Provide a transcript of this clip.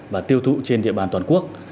và tiêu thụ trên địa bàn toàn quốc